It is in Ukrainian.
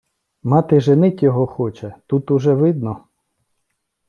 Мати женить його хоче, тут уже видно...